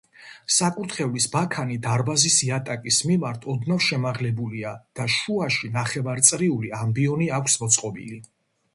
საკურთხევლის ბაქანი დარბაზის იატაკის მიმართ ოდნავ შემაღლებულია და შუაში ნახევარწრიული ამბიონი აქვს მოწყობილი.